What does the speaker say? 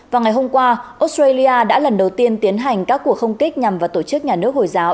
vào ngày hôm qua australia đã lần đầu tiên tiến hành các cuộc không kích nhằm vào tổ chức nhà nước hồi giáo